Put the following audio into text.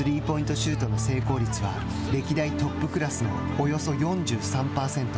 シュートの成功率は歴代トップクラスのおよそ４３％。